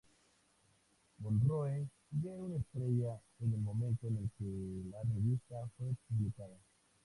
Monroe ya era una estrella en el momento en que la revista fue publicada.